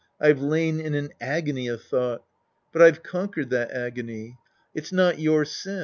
I've lain in an agony of thought. But I've conquered that agony. It's not your sin.